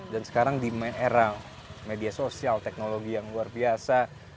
dan sekarang di era media sosial teknologi yang luar biasa